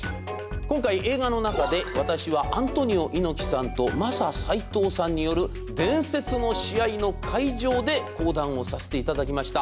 今回、映画の中で私はアントニオ猪木さんとマサ斎藤さんによる伝説の試合の会場で講談をさせていただきました。